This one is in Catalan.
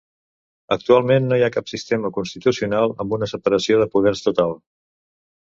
Actualment, no hi ha cap sistema constitucional amb una separació de poders total.